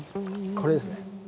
これですね。